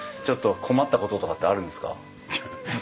ちょっと困ったこととかってあるんですか？